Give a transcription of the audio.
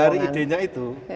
nah dari idenya itu